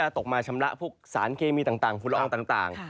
ตกมาชำระพวกสารเคมีต่างฝุ่นละอองต่าง